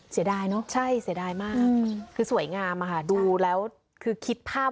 เสียดายเนอะคือสวยงามค่ะดูแล้วคือคิดภาพ